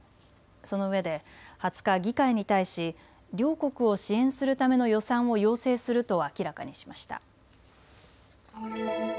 そのうえで２０日、議会に対し両国を支援するための予算を要請すると明らかにしました。